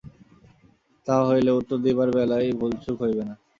তাহা হইলে উত্তর দিবার বেলায় ভুলচুক হইবে না।